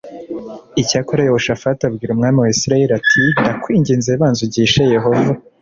Icyakora yehoshafati abwira umwami wa isirayeli ati ndakwinginze banza ugishe yehova